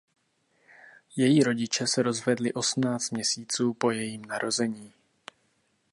Její rodiče se rozvedli osmnáct měsíců po jejím narození.